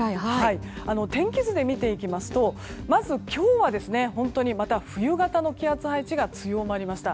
天気図で見ていきますとまず今日は本当に、また冬型の気圧配置が強まりました。